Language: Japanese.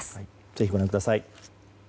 ぜひ、ご覧ください。